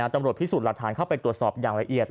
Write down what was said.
ตำรวจพิสูจน์หลักฐานเข้าไปตรวจสอบอย่างละเอียด